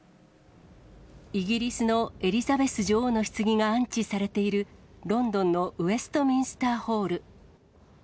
イギリスのエリザベス女王のひつぎが安置されているロンドンのウェストミンスターホール。